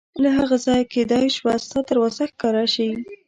له هغه ځایه کېدای شوه ستا دروازه ښکاره شي.